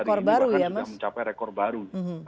kita tahu hari ini bahkan sudah mencapai rekor baru